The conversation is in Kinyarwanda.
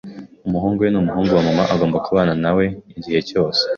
Umuhungu we ni umuhungu wa mama. Agomba kubana na we igihe cyose.